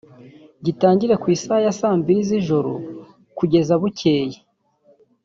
gitangire ku isaha ya saa mbiri z’ijoro kugeza bukeye